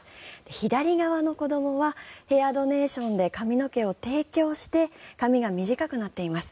左側の子どもはヘアドネーションで髪の毛を提供して髪が短くなっています。